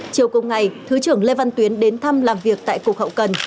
chiều cùng ngày thứ trưởng lê văn tuyến đến thăm làm việc tại cục hậu cần